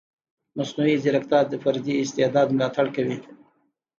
مصنوعي ځیرکتیا د فردي استعداد ملاتړ کوي.